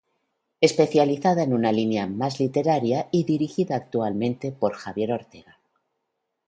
Especializada en una línea más literaria y dirigida actualmente por Javier Ortega.